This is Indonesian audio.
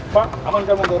pak aman jangan mundur